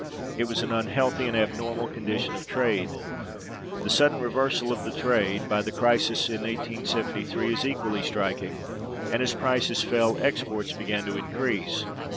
It was an unhealthy and abnormal condition of trade. The sudden reversal of the trade by the crisis in 1873 is equally striking, and, as prices fell, exports began to increase.